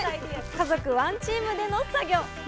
家族ワンチームでの作業。